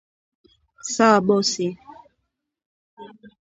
Sawa bosi